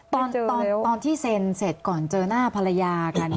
ตอนที่เซ็นเสร็จก่อนเจอหน้าภรรยากัน